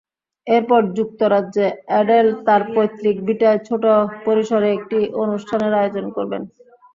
এরপর যুক্তরাজ্যে অ্যাডেল তাঁর পৈতৃক ভিটায় ছোট পরিসরে একটি অনুষ্ঠানের আয়োজন করবেন।